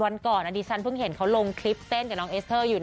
วันก่อนอันนี้ฉันเพิ่งเห็นเขาลงคลิปเต้นกับน้องเอสเตอร์อยู่นะ